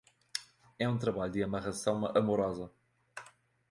É um trabalho de amarração amorosa